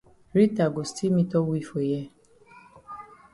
Rita go still meetup we for here.